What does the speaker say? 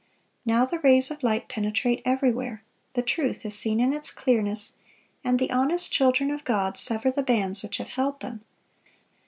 Now the rays of light penetrate everywhere, the truth is seen in its clearness, and the honest children of God sever the bands which have held them.